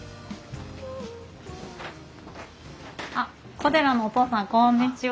小寺のお父さんこんにちは。